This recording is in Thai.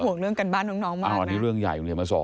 คุณห่วงเรื่องการบ้านของน้องมากนะอันนี้เรื่องใหญ่ของเรียนมาสอง